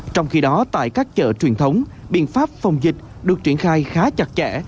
trong khi đó tại các chợ truyền thống biện pháp phòng dịch được triển khai khá chặt chẽ